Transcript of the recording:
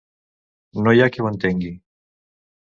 No hi ha qui ho entengui!